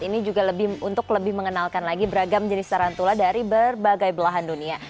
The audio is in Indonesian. ini juga lebih untuk lebih mengenalkan lagi beragam jenis tarantula dari berbagai belahan dunia